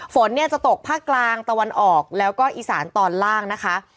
ฝนเนี่ยจะตกภาคกลางตะวันออกแล้วก็อีสานตอนล่างนะคะ